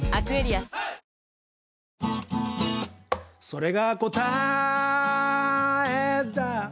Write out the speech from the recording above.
「それが答えだ！」